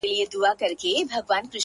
مړ يمه هغه وخت به تاته سجده وکړمه!